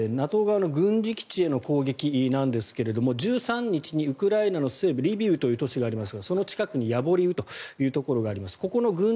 ＮＡＴＯ側の軍地基地への攻撃なんですが１３日にウクライナの西部リビウという都市がありますがその近くにヤボリウというところがあります。